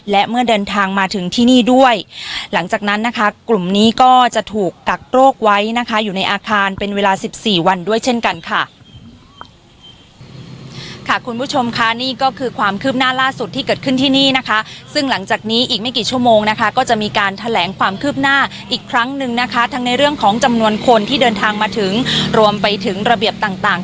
และเมื่อเดินทางมาถึงที่นี่ด้วยหลังจากนั้นนะคะกลุ่มนี้ก็จะถูกกักโรคไว้นะคะอยู่ในอาคารเป็นเวลาสิบสี่วันด้วยเช่นกันค่ะคุณผู้ชมค่ะนี่ก็คือความคืบหน้าล่าสุดที่เกิดขึ้นที่นี่นะคะซึ่งหลังจากนี้อีกไม่กี่ชั่วโมงนะคะก็จะมีการแถลงความคืบหน้าอีกครั้งหนึ่งนะคะทั้งในเรื่องของจำนวนคนที่เดินทางมาถึงรวมไปถึงระเบียบต่าง